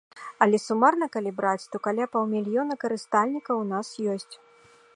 Але сумарна калі браць, то каля паўмільёна карыстальнікаў у нас ёсць.